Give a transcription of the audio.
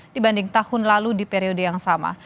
dibanding tahun lalu di periode yang sama